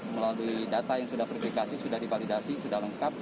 melalui data yang sudah predikasi sudah dipalidasi sudah lengkap